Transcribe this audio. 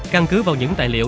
căn cứ vào những tài liệu